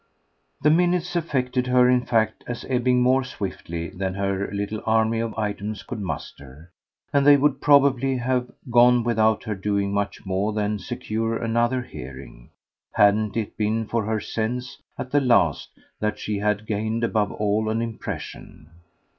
The minutes affected her in fact as ebbing more swiftly than her little army of items could muster, and they would probably have gone without her doing much more than secure another hearing, hadn't it been for her sense, at the last, that she had gained above all an impression.